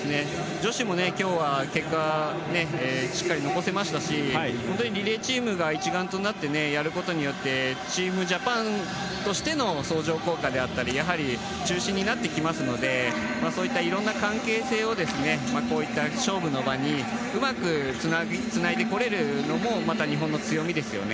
女子は今日も結果しっかり残せましたし本当にリレーチームが一丸となってやることによってチームジャパンとしての相乗効果であったりやはり中心になってきますのでそういった色んな関係性をこういった勝負の場にうまくつないでこれるのもまた日本の強みですよね。